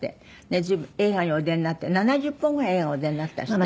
随分映画にお出になって７０本ぐらい映画お出になったんですって？